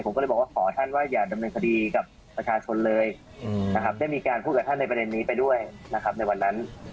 ผมก็เลยบอกว่าขอท่านว่าอย่าดำเนินคดีกับประชาชนเลยนะครับได้มีการพูดกับท่านในประเด็นนี้ไปด้วยนะครับในวันนั้น